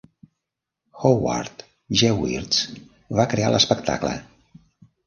Howard Gewirtz va crear l'espectacle.